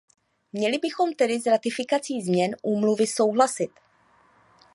Měli bychom tedy s ratifikací změn úmluvy souhlasit.